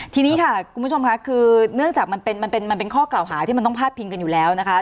ทีนี้ค่ะคุณผู้ชมค่ะคือเนื่องจากมันเป็นข้อกล่าวหาที่มันต้องพาดพิงกันอยู่แล้วนะคะ